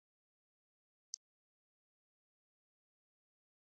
En esta posición, fue uno de los representantes del Estado en el Bundesrat.